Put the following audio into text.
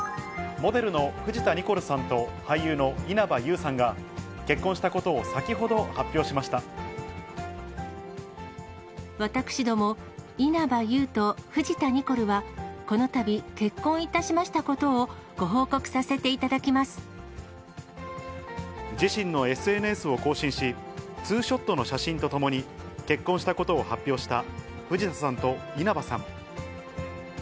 モデルの藤田ニコルさんと俳優の稲葉友さんが、結婚したことを先私ども、稲葉友と藤田ニコルは、このたび結婚いたしましたことをご報告さ自身のＳＮＳを更新し、ツーショットの写真とともに結婚したことを発表した藤田さんと稲